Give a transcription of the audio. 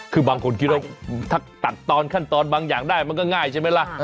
คือบางคนคิดว่าถ้าตัดตอนขั้นตอนบางอย่างได้มันก็ง่ายใช่ไหมล่ะ